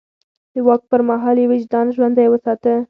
د واک پر مهال يې وجدان ژوندی وساته.